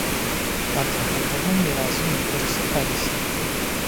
А да гэтага ні разу не перасякаліся.